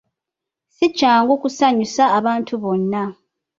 Si kyangu kusanyusa abantu bonna.